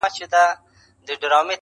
خو پر زړه مي سپين دسمال د چا د ياد,